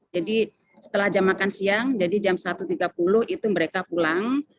jadi setelah jam makan siang jadi jam satu tiga puluh itu mereka pulang